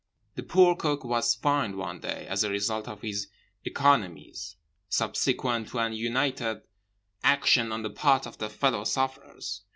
The poor Cook was fined one day as a result of his economies, subsequent to a united action on the part of the fellow sufferers.